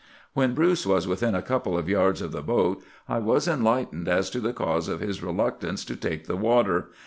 "When Bruce was within a couple of yards of the boat, I was enlightened as to the cause of his reluctance to take the water.